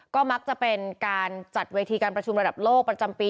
ก็มักจะเป็นการจัดเวทีการประชุมระดับโลกประจำปี